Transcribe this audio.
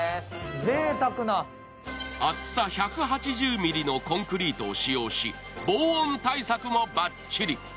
厚さ１８０ｍｍのコンクリートを使用し、防音対策もバッチリ。